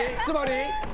つまり？